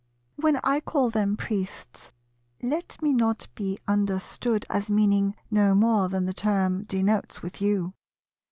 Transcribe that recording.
When I call them Priests, let me not be understood as meaning no more than the term denotes with you.